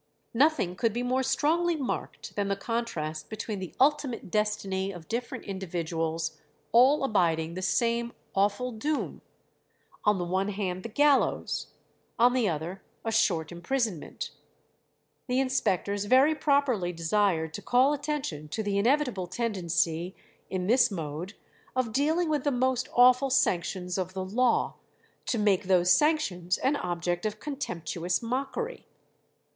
Nothing could be more strongly marked than the contrast between the ultimate destiny of different individuals all abiding the same awful doom: on the one hand the gallows, on the other a short imprisonment. The inspectors very properly desired to call attention to the inevitable tendency in this mode of dealing with "the most awful sanctions of the law," to make those sanctions an object of contemptuous mockery.